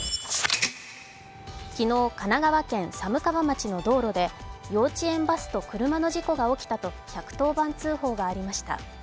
昨日、神奈川県寒川町の道路で幼稚園バスと車の事故が起きたと１１０番通報がありました。